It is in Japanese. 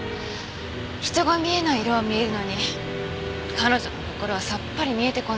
人が見えない色は見えるのに彼女の心はさっぱり見えてこない。